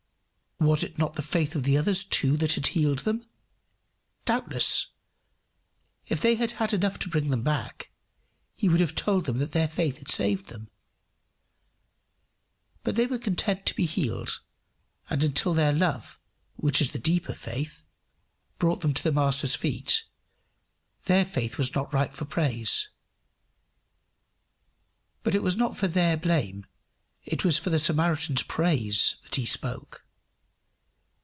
"Was it not the faith of the others too that had healed them?" Doubtless. If they had had enough to bring them back, he would have told them that their faith had saved them. But they were content to be healed, and until their love, which is the deeper faith, brought them to the Master's feet, their faith was not ripe for praise. But it was not for their blame, it was for the Samaritan's praise that he spoke.